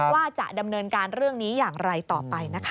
ว่าจะดำเนินการเรื่องนี้อย่างไรต่อไปนะคะ